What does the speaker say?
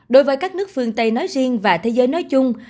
đối với các nước phương tây nói riêng và thế giới nói chung